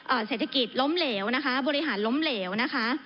เศรษฐกิจล้มเหลวนะคะบริหารล้มเหลวนะคะ